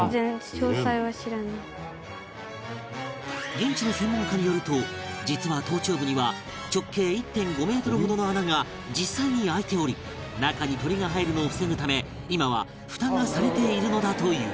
現地の専門家によると実は頭頂部には直径 １．５ メートルほどの穴が実際に開いており中に鳥が入るのを防ぐため今はフタがされているのだという